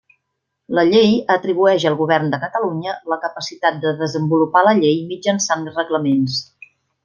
La llei atribueix al Govern de Catalunya la capacitat de desenvolupar la llei mitjançant reglaments.